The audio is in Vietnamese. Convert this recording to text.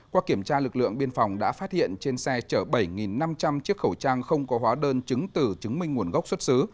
qua kiểm tra lực lượng biên phòng đã phát hiện trên xe chở bảy năm trăm linh chiếc khẩu trang không có hóa đơn chứng tử chứng minh nguồn gốc xuất xứ